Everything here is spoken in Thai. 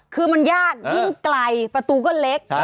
คือมันยากยิ่งไกลประตูก็เล็ก